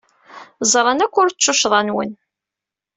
Ẓran akk ur d tuccḍa-nwen.